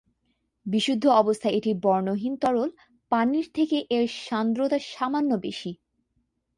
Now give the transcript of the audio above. বিশুদ্ধ অবস্থায় এটি বর্ণহীন তরল, পানির থেকে এর সান্দ্রতা সামান্য বেশি।